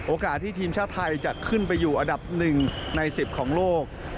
ที่ทีมชาติไทยจะขึ้นไปอยู่อันดับ๑ใน๑๐ของโลก